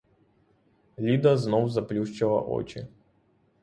Ліда знов заплющила очі.